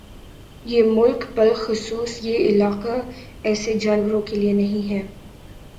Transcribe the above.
یہ ملک بلخصوص یہ علاقہ ایسے جانوروں کے لیے نہیں ہے